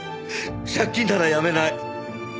借金ならやめない。